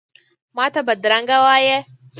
ماته بدرنګه وایې،